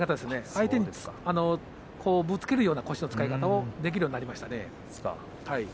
相手にぶつけるような腰の使い方ができるようになりましたね。